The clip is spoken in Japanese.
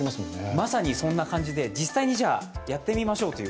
まさにそんな感じで、実際にやってみましょう。